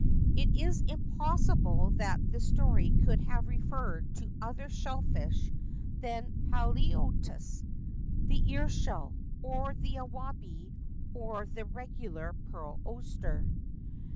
It is impossible that this story could have referred to other shell fish than haliotis (the ear shell), or the awabi, or the regular pearl oyster.